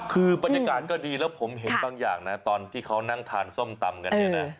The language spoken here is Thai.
คือบรรยากาศก็ดีแล้วผมเห็นบางอย่างนะตอนที่เขานั่งทานส้มตำกันเนี่ยนะ